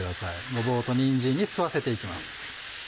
ごぼうとにんじんに吸わせて行きます。